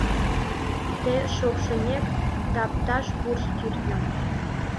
Те шокшынек тапташ вурс-кӱртньым